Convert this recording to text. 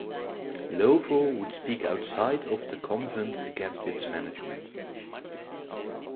Lovel would speak outside of the convent against its management.